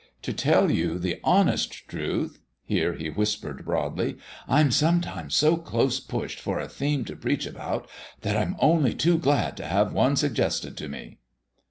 To tell you the honest truth" here he whispered broadly "I'm sometimes so close pushed for a theme to preach about that I'm only too glad to have one suggested to me."